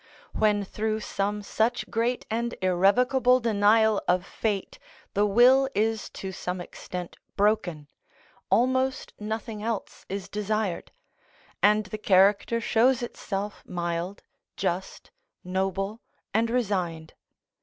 When through some such great and irrevocable denial of fate the will is to some extent broken, almost nothing else is desired, and the character shows itself mild, just, noble, and resigned.